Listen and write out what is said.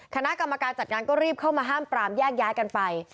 คณะกรรมการจัดงานก็รีบเข้ามาห้ามปรามแยกย้ายกันไป